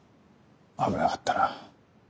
危なかったな。